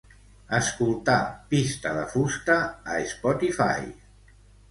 Escoltar "Pista de fusta" a Spotify.